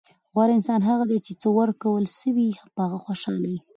غوره انسان هغه دئ، چي څه ورکول سوي يي؛ په هغه خوشحال يي.